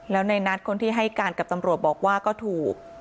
แล้วในนัทคนที่ให้การกับตำรวจบอกว่าก็ถูก